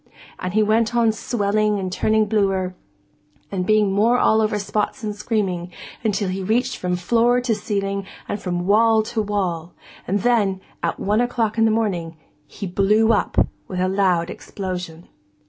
And he went on swelling and turning bluer, and being more all over spots and screaming, until he reached from floor to ceiling and from wall to wall; and then, at one o'clock in the morning, he blew up with a loud explosion.